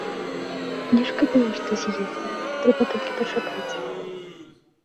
Не шкадую, што з'ехала, трэба толькі пачакаць.